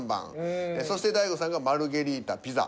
そして大悟さんが「マルゲリータピザ」。